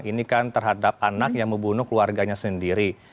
ini kan terhadap anak yang membunuh keluarganya sendiri